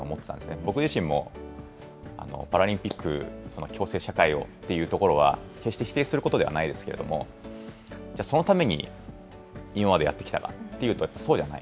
僕自身も、パラリンピック、共生社会をっていうところは、決して否定することではないですけれども、じゃあ、そのために、今までやってきたかっていうと、やっぱりそうじゃない。